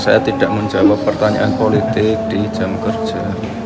saya tidak menjawab pertanyaan politik di jam kerja